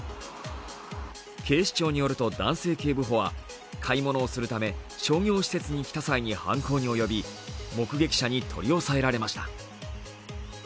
警視庁によると、男性警部補は買い物をするため商業施設に来た際に犯行に及び目撃者に取り押さえられました。